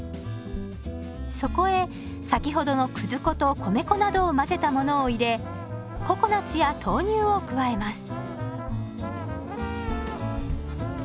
そこへ先ほどのくず粉と米粉などを混ぜたものを入れココナツや豆乳を加えます。